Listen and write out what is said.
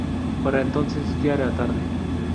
Para entonces ya era tarde.